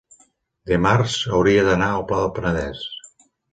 dimarts hauria d'anar al Pla del Penedès.